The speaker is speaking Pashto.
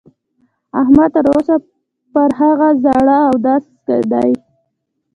احمد تر اوسه پر هغه زاړه اودس دی.